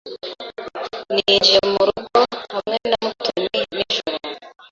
Ninjiye mu rugo hamwe na Mutoni nijoro.